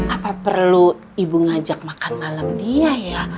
apa perlu ibu ngajak makan malam dia ya